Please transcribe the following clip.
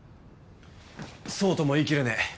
そうとも言いきれねえ。